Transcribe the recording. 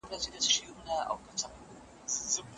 ایا کورني سوداګر کاغذي بادام اخلي؟